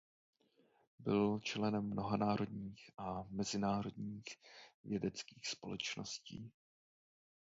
Byl členem mnoha národních a mezinárodních vědeckých společností.